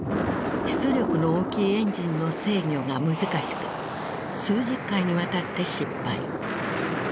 出力の大きいエンジンの制御が難しく数十回にわたって失敗。